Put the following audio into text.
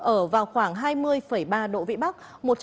ở vào khoảng hai mươi ba độ vị bắc